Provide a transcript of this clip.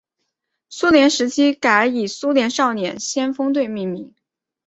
苏联时期改以苏联少年先锋队命名。